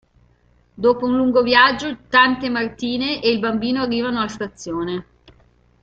Dopo un lungo viaggio, Tante Martine e il bambino arrivano alla stazione.